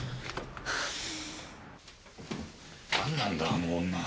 何なんだあの女。